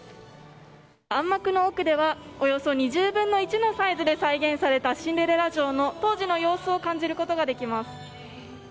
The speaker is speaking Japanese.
暗幕の奥ではおよそ２０分の１のサイズで再現されたシンデレラ城の当時の様子を感じることができます。